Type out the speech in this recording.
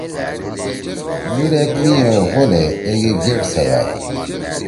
لیڑ ایک مئے غولے، ایگی گیٹ سیوأد